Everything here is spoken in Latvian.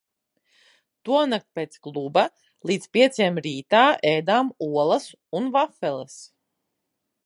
Tonakt pēc kluba līdz pieciem rītā ēdām olas un vafeles.